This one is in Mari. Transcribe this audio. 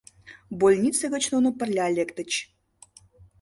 Больнице гыч нуно пырля лектыч.